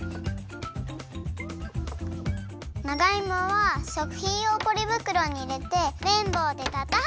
長いもはしょくひんようポリぶくろにいれてめんぼうでたたく！